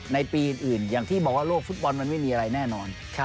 ในปีอื่นอย่างที่บอกว่าโลกฟุตบอลมันไม่มีอะไรแน่นอน